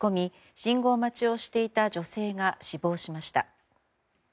信号待ちをしていた女性が死亡しました。